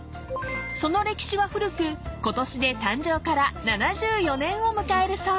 ［その歴史は古くことしで誕生から７４年を迎えるそう］